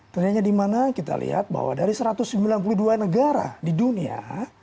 ternyata dimana kita lihat bahwa dari satu ratus sembilan puluh dua negara di dunia